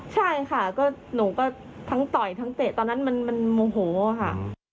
ใช่ค่ะก็หนูก็ทั้งต่อยทั้งเตะตอนนั้นมันโมโหค่ะ